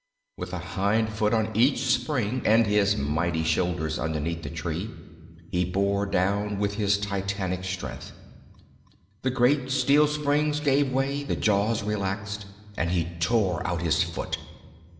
With a hind foot on each spring and his mighty shoulders underneath the tree, he bore down with his titanic strength: the great steel springs gave way, the jaws relaxed, and he tore out his foot.